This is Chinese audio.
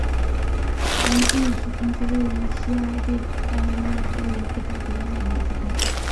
狼溪陨石坑是位于西澳大利亚州一个保存完好的陨石坑。